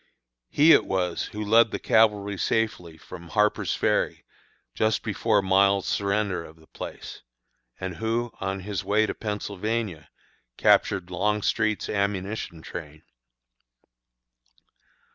He it was who led the cavalry safely from Harper's Ferry just before Miles' surrender of the place, and who, on his way to Pennsylvania, captured Longstreet's ammunition train.